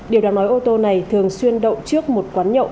điều đáng nói ô tô này thường xuyên đậu trước một quán nhậu